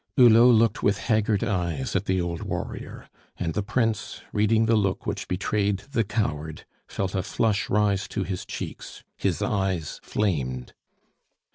Hulot looked with haggard eyes at the old warrior; and the Prince, reading the look which betrayed the coward, felt a flush rise to his cheeks; his eyes flamed.